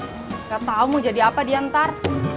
nggak tau mau jadi apa dia ntar